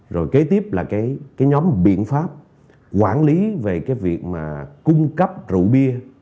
rồi kế tiếp là cái nhóm biện pháp quản lý về cái việc mà cung cấp rượu bia